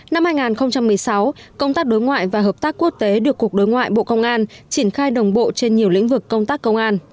năm hai nghìn một mươi sáu công tác đối ngoại và hợp tác quốc tế được cục đối ngoại bộ công an triển khai đồng bộ trên nhiều lĩnh vực công tác công an